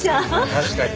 確かに。